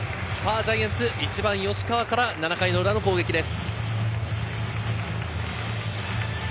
ジャイアンツ、１番・吉川から７回の裏の攻撃です。